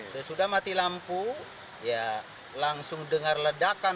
sesudah mati lampu ya langsung dengar ledakan